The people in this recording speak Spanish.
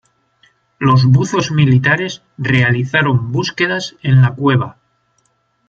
Los buzos militares realizaron búsquedas en la cueva.